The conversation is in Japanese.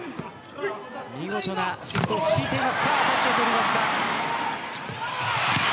見事なシフトを敷いています。